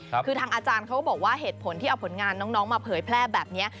แต่ทางอาจารย์เค้าบอกว่าเหตุผลที่เอาผลงานน้องมาเพยยแผลแบบเนี้ย